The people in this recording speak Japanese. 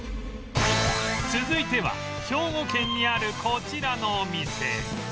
続いては兵庫県にあるこちらのお店